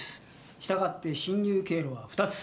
従って侵入経路は２つ。